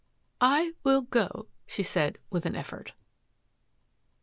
" I will go," she said with a»n effort.